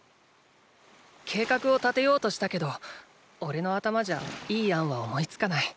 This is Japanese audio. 計画を立てようとしたけどおれの頭じゃいい案は思いつかない。